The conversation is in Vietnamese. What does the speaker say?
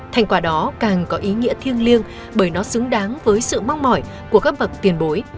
thành quả đó càng có ý nghĩa thiêng liêng bởi nó xứng đáng với sự mong mỏi của các bậc tiền bối